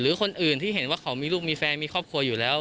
คนอื่นที่เห็นว่าเขามีลูกมีแฟนมีครอบครัวอยู่แล้ว